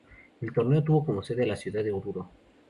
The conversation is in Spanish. El torneo tuvo como sede a la ciudad de Oruro.